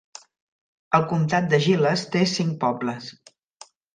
El comtat de Giles té cinc pobles.